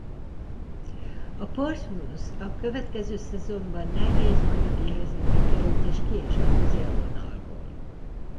A Portsmouth a következő szezonban nehéz anyagi helyzetbe került és kiesett az élvonalból.